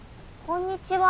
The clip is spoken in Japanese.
こんにちは。